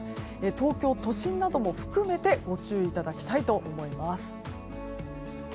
東京都心なども含めてご注意いただきたいと思います。